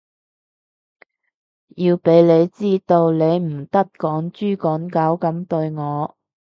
要畀你知道，你唔得趕豬趕狗噉對我